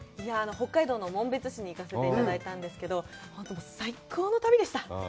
北海道の紋別市に行かせていただいたんですけど、最高の旅でした。